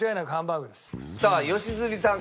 さあ良純さん